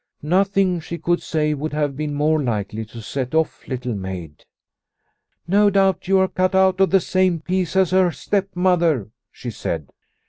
Nothing she could say would have been more likely to set off Little Maid. " No doubt you are cut out of the same piece as her stepmother," she said.